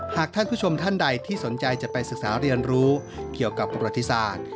หากท่านผู้ชมท่านใดที่สนใจจะไปศึกษาเรียนรู้เกี่ยวกับประวัติศาสตร์